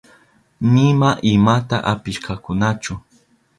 Nima imata apishkakunachu.